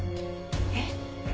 えっ？